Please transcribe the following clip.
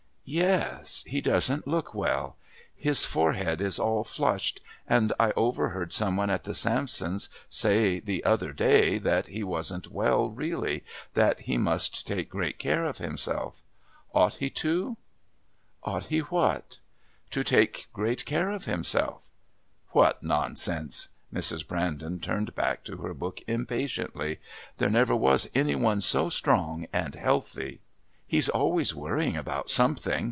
"Yes. He doesn't look well. His forehead is all flushed, and I overheard some one at the Sampsons' say the other day that he wasn't well really, that he must take great care of himself. Ought he to?" "Ought he what?" "To take great care of himself." "What nonsense!" Mrs. Brandon turned back to her book impatiently. "There never was any one so strong and healthy." "He's always worrying about something.